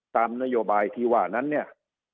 ตามนโยบายที่ว่านั้นเนี่ย